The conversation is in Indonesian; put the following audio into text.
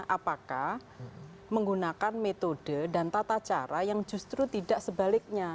apakah menggunakan metode dan tata cara yang justru tidak sebaliknya